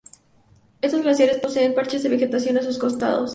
Estos glaciares poseen parches de vegetación a sus costados.